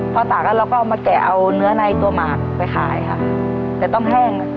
พอตากแล้วเราก็เอามาแกะเอาเนื้อในตัวหมากไปขายค่ะแต่ต้องแห้ง